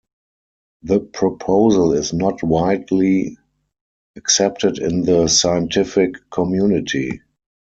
The proposal is not widely accepted in the scientific community.